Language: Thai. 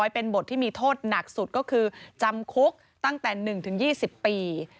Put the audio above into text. เป็นบทที่มีโทษหนักสุดก็คือจำคุกตั้งแต่๑๒๐ปี